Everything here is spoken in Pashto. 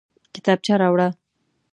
کتابچه راوړه